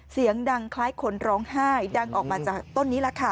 เสียงดังคล้ายคนร้องไห้ดังออกมาจากต้นนี้แหละค่ะ